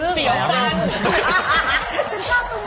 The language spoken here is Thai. อื้มสะโรยอุ๊ยอย่าพึ่ง